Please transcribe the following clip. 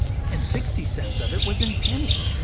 And sixty cents of it was in pennies.